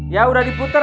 ya udah diputer